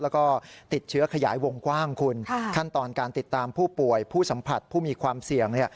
แล้วก็ติดเชื้อขยายวงกว้างคุณขั้นตอนการติดตามผู้ป่วยผู้สัมผัสผู้มีความเสี่ยง